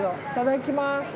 いただきます。